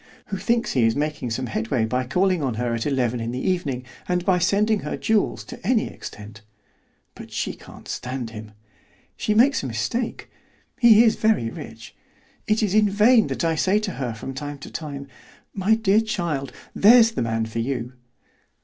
who thinks he is making some headway by calling on her at eleven in the evening, and by sending her jewels to any extent; but she can't stand him. She makes a mistake; he is very rich. It is in vain that I say to her from time to time, 'My dear child, there's the man for you.